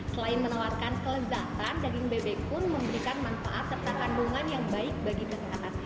selain menawarkan kelezatan daging bebek pun memberikan manfaat serta kandungan yang baik bagi kesehatan